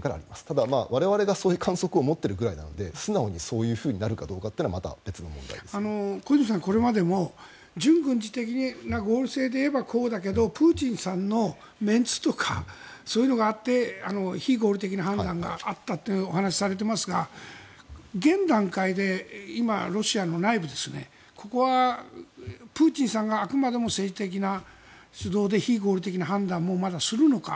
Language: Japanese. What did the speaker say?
ただ、我々がそういう観測を持っているぐらいなので素直にそうなるかどうかは小泉さんはこれまでも純軍事的な合理性でいえばこうだけどプーチンさんのメンツとかそういうのがあって非合理的な判断があったというお話をされていますが現段階で今、ロシアの内部でここはプーチンさんがあくまでも政治的な主導で非合理的な判断もまだするのか。